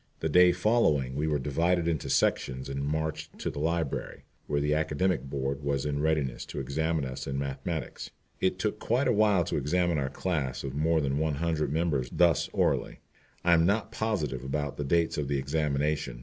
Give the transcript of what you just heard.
The day following we were divided into sections and marched to the library, where the Academic Board was in readiness to examine us in mathematics. It took quite a while to examine our class of more than one hundred members thus orally. I am not positive about the dates of the examination.